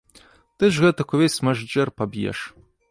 Ты ж гэтак увесь мажджэр паб'еш.